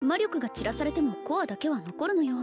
魔力が散らされてもコアだけは残るのよ